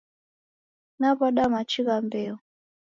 Naw'ada machi gha mbeo.